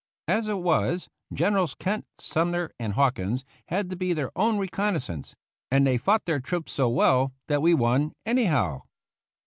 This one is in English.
As it was, Gen erals Kent, Sumner, and Hawkins had to be their own reconnoissance, and they fought their troops so well that we won anyhow.